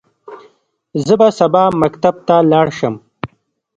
زه به سبا مکتب ته لاړ شم.